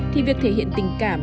thì việc thể hiện tình cảm